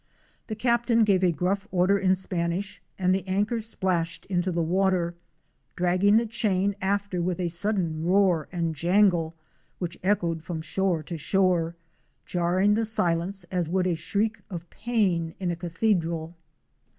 The captain gave a gruff order in Spanish, and the anchor splashed into the water, dragging the chain after with a sudden roar and jangle which echoed from shore to shore — jarring the silence as would a shriek of pain in a cathedral.